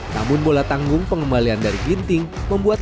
namun bola tanggung pengembalian dari ginting membuat